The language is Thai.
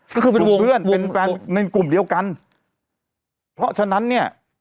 ก็คือเป็นวงวงวงวงเป็นกลุ่มเดียวกันเพราะฉะนั้นเนี้ย